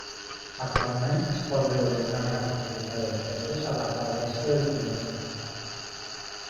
Actualment es pot veure una gran quantitat de pedres a la part baixa del turó.